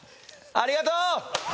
ありがとう！